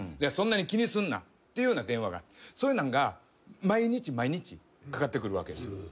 そんなに気にすんな。っていうような電話がそういうのが毎日毎日かかってくるわけですよ。